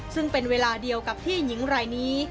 ซึ่งเป็นเวลาเดียวกับที่หญิงรายนี้